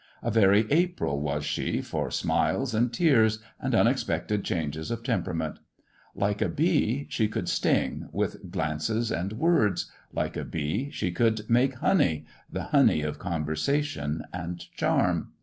A very April was she for smiles and tears, and unexpected changes of temper ament. Like a bee, she could sting — with glances and words; like a bee she could make honey — ^the honey of conversation and charm.